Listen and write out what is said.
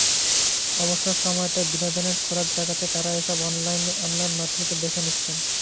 অবসর সময়টায় বিনোদনের খোরাক জোগাতে তারা এসব অনলাইন মাধ্যমকে বেছে নিচ্ছেন।